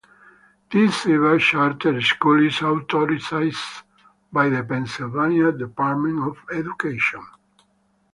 This cyber charter school is authorized by the Pennsylvania Department of Education.